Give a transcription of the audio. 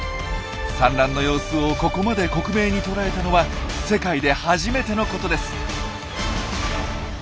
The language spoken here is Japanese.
産卵の様子をここまで克明に捉えたのは世界で初めてのことです。